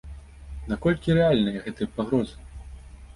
Наколькі рэальныя гэтыя пагрозы?